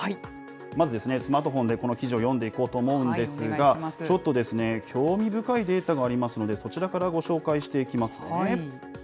まずスマートフォンで、この記事を読んでいこうと思うんですが、ちょっと興味深いデータがありますので、そちらからご紹介していきますね。